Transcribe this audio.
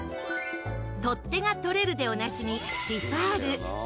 「取っ手が取れる」でおなじみティファール。